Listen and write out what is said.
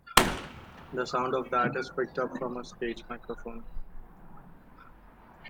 The sound of that is picked up from a stage microphone.